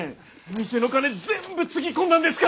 店の金全部つぎ込んだんですからね！